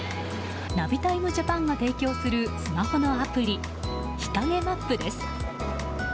ナビタイムジャパンが提供するスマホのアプリ日陰マップです。